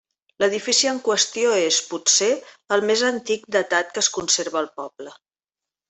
L'edifici en qüestió és, potser, el més antic datat que es conserva al poble.